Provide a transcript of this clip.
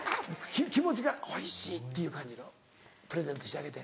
気持ちが「おいしい」っていう感じのプレゼントしてあげて。